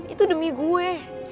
itu demi gue